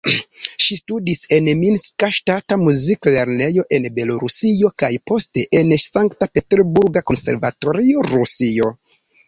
Ŝi studis en Minska Ŝtata Muzik-Lernejo en Belorusio kaj poste en Sankt-Peterburga Konservatorio, Rusio.